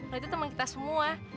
nah itu teman kita semua